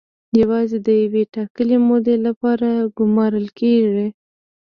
یوازې د یوې ټاکلې مودې لپاره ګومارل کیږي.